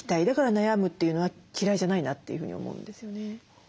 だから悩むというのは嫌いじゃないなというふうに思うんですよね。